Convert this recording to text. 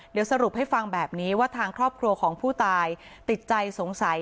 เดี๋ยวสรุปให้ฟังแบบนี้ว่าทางครอบครัวของผู้ตายติดใจสงสัย